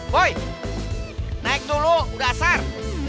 boy naik dulu udah asar